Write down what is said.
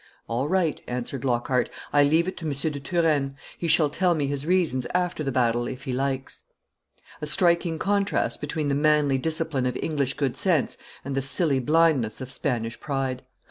'All right,' answered Lockhart: 'I leave it to M. de Turenne; he shall tell me his reasons after the battle, if he likes.' A striking contrast between the manly discipline of English good sense and the silly blindness of Spanish pride.